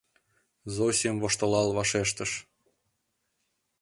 — Зосим воштылал вашештыш.